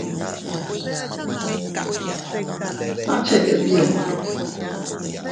¿A cheʼed yundu?